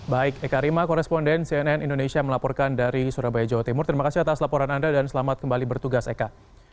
baik eka rima koresponden cnn indonesia melaporkan dari surabaya jawa timur terima kasih atas laporan anda dan selamat kembali bertugas eka